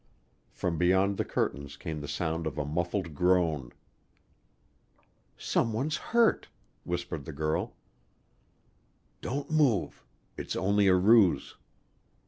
From beyond the curtains came the sound of a muffled groan. "Someone's hurt," whispered the girl. "Don't move. It's only a ruse."